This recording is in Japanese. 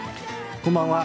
こんばんは。